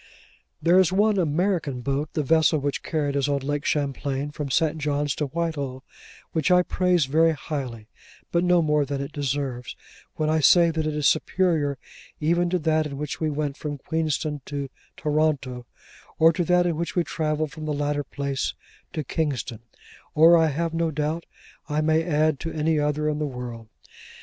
There is one American boat—the vessel which carried us on Lake Champlain, from St. John's to Whitehall—which I praise very highly, but no more than it deserves, when I say that it is superior even to that in which we went from Queenston to Toronto, or to that in which we travelled from the latter place to Kingston, or I have no doubt I may add to any other in the world.